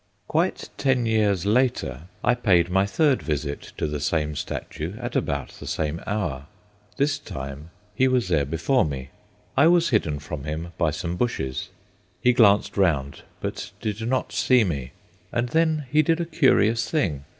Quite ten years later I paid my third visit to the same statue at about the same hour. This time he was there before me. I was hidden from him by some bushes. He glanced round but did not see me; and then he did a curious thing.